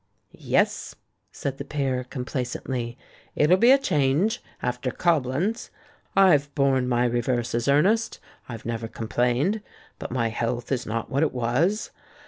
"Yes," said the peer, complacently, "it'll be a change after Coblenz. I've borne my reverses, Ernest, I've never complained ; but my health is not what it was.